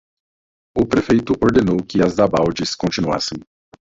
O prefeito ordenou que as albades continuassem.